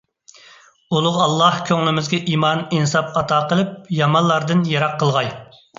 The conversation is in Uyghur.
ئۇلۇغ ئاللاھ كۆڭلىمىزگە ئىمان، ئىنساب ئاتا قىلىپ، يامانلاردىن يىراق قىلغاي!